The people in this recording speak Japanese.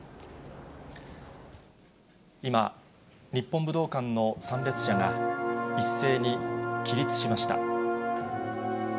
今、日本武道館の参列者が、一斉に起立しました。